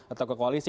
atau ke koalisi